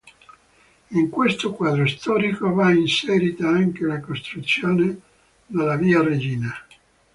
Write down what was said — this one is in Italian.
In questo quadro storico va inserita anche la costruzione della "via Regina".